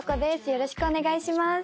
よろしくお願いします